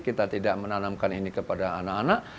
kita tidak menanamkan ini kepada anak anak